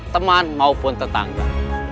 teman maupun tetangga